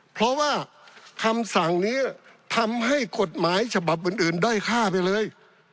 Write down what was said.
เพราะว่าคำสั่งนี้ทำให้กฎหมายฉบับอื่นด้อยค่าไปเลย